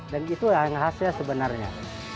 dan itu yang khasnya sebenarnya